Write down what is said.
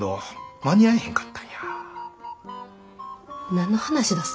何の話だす？